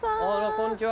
こんにちは。